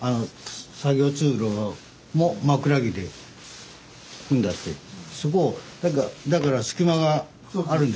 作業通路も枕木で組んであってそこをだから隙間があるんです。